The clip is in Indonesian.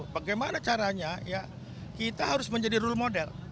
bagaimana caranya kita harus menjadi role model